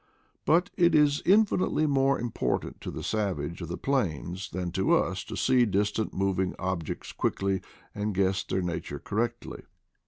But it is infinitely more important to the savage of the plains than to us to see distant moving ob jects quickly and guess their nature correctly.